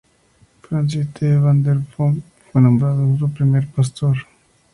Francis T. Van der Bom fue nombrado su primer pastor.